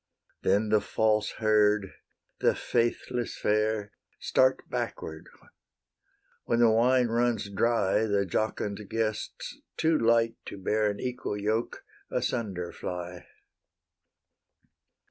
Then the false herd, the faithless fair, Start backward; when the wine runs dry, The jocund guests, too light to bear An equal yoke, asunder fly.